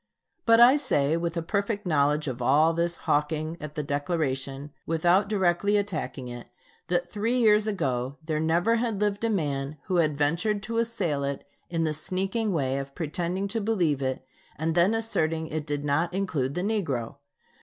But I say, with a perfect knowledge of all this hawking at the Declaration without directly attacking it, that three years ago there never had lived a man who had ventured to assail it in the sneaking way of pretending to believe it and then asserting it did not include the negro.